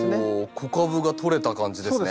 子株が取れた感じですね。